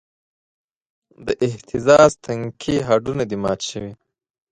د اهتزاز تنکي هډونه دې مات شوی